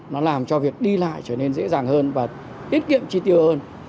nó làm cho việc đi lại trở nên dễ dàng hơn và tiết kiệm chi tiêu hơn